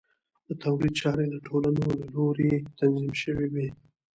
د تولید چارې د ټولنو له لوري تنظیم شوې وې.